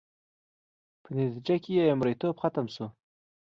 په نتیجه کې یې مریتوب ختم شو